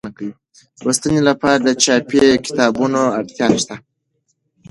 د لوستنې لپاره د چاپي کتابونو اړتیا شته.